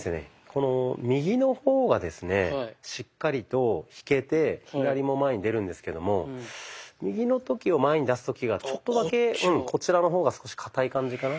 この右の方がですねしっかりと引けて左も前に出るんですけども右の時を前に出す時がちょっとだけこちらの方が少しかたい感じかな。